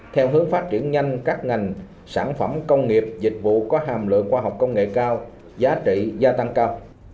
theo hướng phát triển nhanh các ngành sản phẩm công nghiệp dịch vụ có hàm lượng khoa học công nghệ cao giá trị gia tăng cao